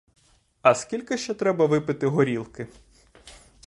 А скільки ще треба випити горілки?